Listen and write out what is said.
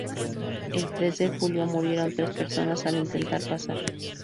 El tres de julio murieron tres personas al intentar pasar.